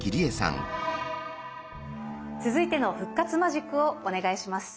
続いての復活マジックをお願いします。